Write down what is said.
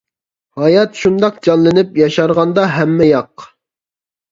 ھايات شۇنداق جانلىنىپ، ياشارغاندا ھەممە ياق.